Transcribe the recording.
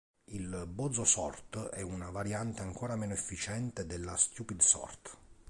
Il Bozo Sort è una variante ancora meno efficiente della Stupid Sort.